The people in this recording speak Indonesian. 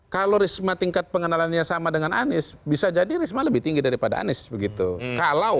kalau risma tingkat pengenalannya sama dengan anies bisa jadi risma lebih tinggi daripada anies begitu